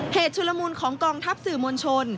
ชุลมูลของกองทัพสื่อมวลชน